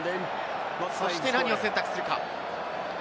そして何を選択するか？